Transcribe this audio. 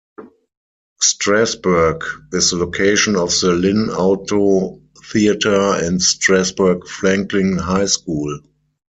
Strasburg is the location of the Lynn Auto Theatre and Strasburg-Franklin High School.